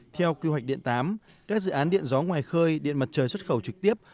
theo quy hoạch điện tám các dự án điện gió ngoài khơi điện mặt trời xuất khẩu trực tiếp